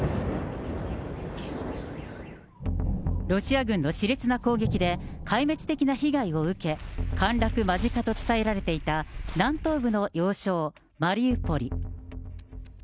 ロシア軍のしれつな攻撃で壊滅的な被害を受け、陥落間近と伝えられていた南東部の要衝マリウポリ。